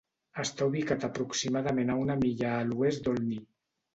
Està ubicat aproximadament a una milla a l'oest d'Olney.